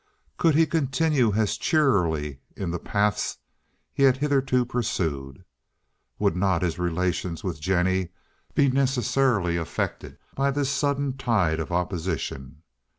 Could he continue as cheerily in the paths he had hitherto pursued? Would not his relations with Jennie be necessarily affected by this sudden tide of opposition?